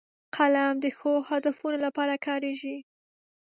قلم د ښو هدفونو لپاره کارېږي